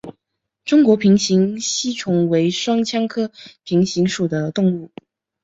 中国平形吸虫为双腔科平形属的动物。